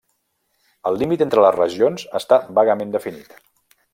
El límit entre les regions està vagament definit.